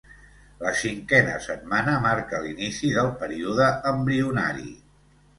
La cinquena setmana marca l'inici del període embrionari.